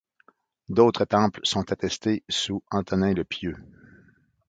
D'autres temples sont attestés sous Antonin le Pieux.